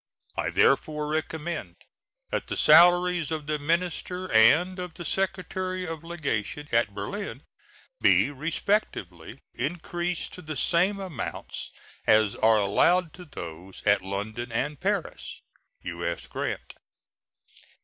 I therefore recommend that the salaries of the minister and of the secretary of legation at Berlin be respectively increased to the same amounts as are allowed to those at London and Paris. U.S. GRANT.